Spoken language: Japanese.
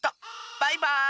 バイバーイ！